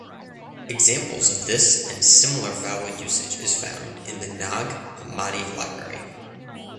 Examples of this and similar vowel usage is found in the Nag Hamadi Library.